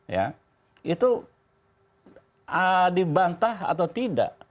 ya itu dibantah atau tidak